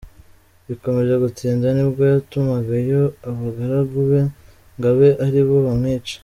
Bikomeje gutinda nibwo yatumagayo abagaragu be ngo abe aribo bamwica.